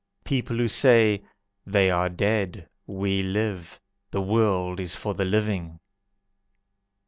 People who say: "They are dead, we live! The world is for the living."